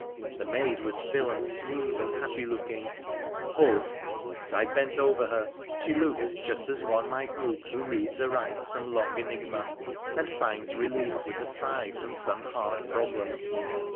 The maid was still and smooth and happy ooking. Hoth ! as I bent over her she looked just as one night look who reads aright some long enigma and finds ■elief with a sigh from some hard problem.